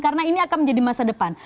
karena ini akan menjadi masa depan